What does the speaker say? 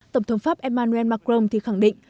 tổng thống pháp emmanuel macron thì khẳng định